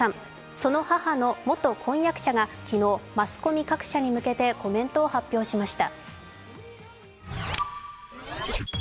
その母の元婚約者が昨日、マスコミ各社に向けてコメントを発表しました。